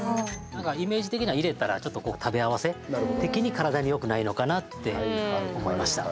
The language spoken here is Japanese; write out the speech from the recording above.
イメージ的には入れたら食べ合わせ的に、体によくないのかなって思いました。